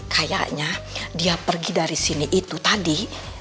kayaknya dia pergi dari sini itu tadi